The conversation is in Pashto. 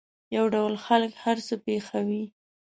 یو ډول خلک هر څه پېښوي.